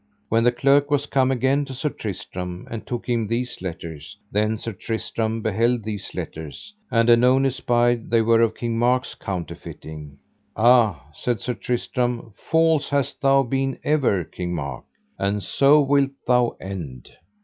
When the clerk was come again to Sir Tristram and took him these letters, then Sir Tristram beheld these letters, and anon espied they were of King Mark's counterfeiting. Ah, said Sir Tristram, false hast thou been ever, King Mark, and so wilt thou end.